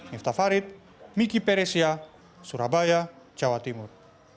miftah farid miki peresia surabaya jawa timur